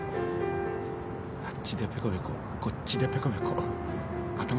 あっちでペコペコこっちでペコペコ頭下げてね。